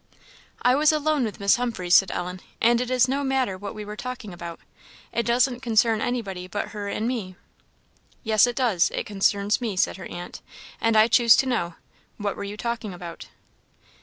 "I was alone with Miss Humphreys," said Ellen; "and it is no matter what we were talking about it doesn't concern anybody but her and me." "Yes it does, it concerns me," said her aunt, "and I choose to know; what were you talking about?"